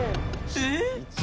「えっ！？」